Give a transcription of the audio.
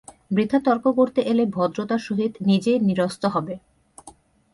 বৃথা তর্ক করতে এলে ভদ্রতার সহিত নিজে নিরস্ত হবে।